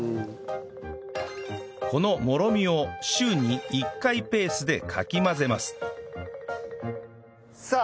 このもろみを週に１回ペースでかき混ぜます